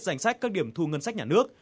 giành sách các điểm thu ngân sách nhà nước